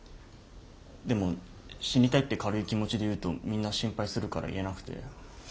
でも死にたいって軽い気持ちで言うとみんな心配するから言えなくて。